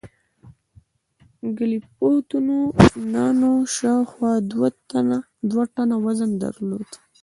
ګلیپتودونانو شاوخوا دوه ټنه وزن درلود.